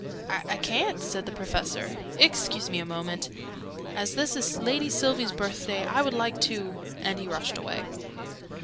"I ca'n't," said the Professor. "Excuse me a moment. As this is Lady Sylvie's birthday, I would like to " and he rushed away.